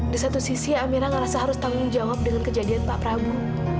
di satu sisi amira ngerasa harus tanggung jawab dengan kejadian pak prabu